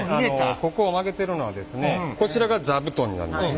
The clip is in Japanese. ここを曲げてるのはこちらが座布団になります。